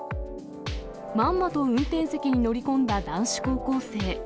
まんまと運転席に乗り込んだ男子高校生。